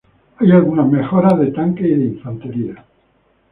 Hay algunas mejoras de tanques y de infantería.